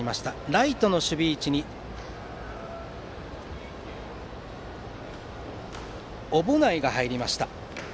ライトの守備位置に小保内が入りました。